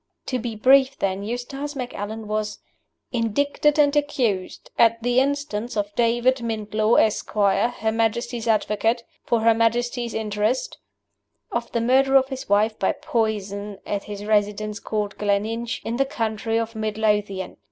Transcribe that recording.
To be brief, then, Eustace Macallan was "indicted and accused, at the instance of David Mintlaw, Esquire, Her Majesty's Advocate, for Her Majesty's interest," of the Murder of his Wife by poison, at his residence called Gleninch, in the county of Mid Lothian.